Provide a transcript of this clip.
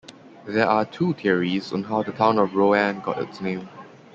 There are two theories on how the town of Roann got its name.